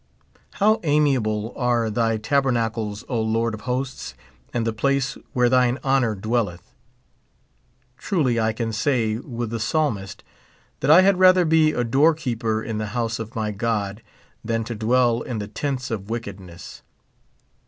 How amiable are thy tabernacles, O Lord of hosts, and the place where thine honor dwelleth ! Truly, 1 can say with the Psalmist that I had rather be a floor keeper in the house of my God than to dwell in the tents of wicked ness.